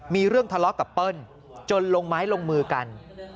มีเรื่องทะเลาะกับเปิ้ลจนลงไม้ลงมือกัน